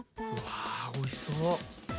わおいしそう。